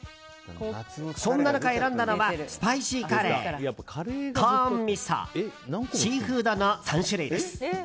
そんな中、選んだのはスパイシーカレーコーン味噌、シーフードの３種類です。